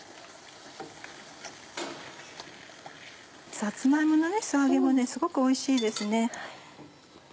さつま芋の素揚げもすごくおいしいですね。